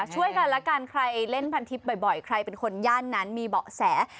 ช่วยกันแล้วกันใครเล่นพันทิพย์บ่อยใครเป็นคนย่านนั้นมีเบาะแส